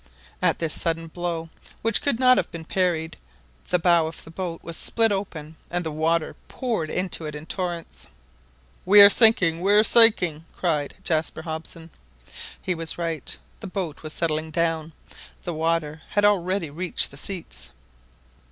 At this sudden blow, which could not have been parried, the bow of the boat was split open, and the water poured into it in torrents. "We are sinking! we are sinking !" cried Jasper Hobson. He was right. The boat was settling down; the water had already reached the seats.